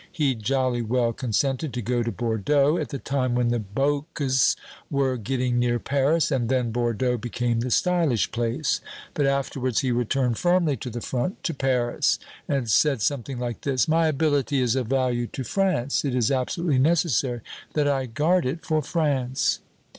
He'd jolly well consented to go to Bordeaux at the time when the Boches were getting near Paris, and then Bordeaux became the stylish place; but afterwards he returned firmly to the front to Paris and said something like this, 'My ability is of value to France; it is absolutely necessary that I guard it for France.'